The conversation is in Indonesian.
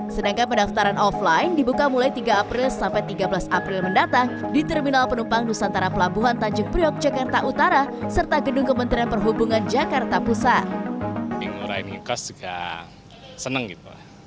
sedangkan pendaftaran offline dibuka mulai tiga april sampai tiga belas april mendatang di terminal penumpang nusantara pelabuhan tanjung priok jakarta utara serta gedung kementerian perhubungan jakarta pusat